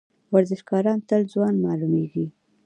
ورزشکاران تل ځوان معلومیږي.